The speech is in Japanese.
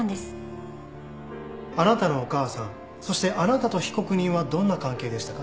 あなたのお母さんそしてあなたと被告人はどんな関係でしたか。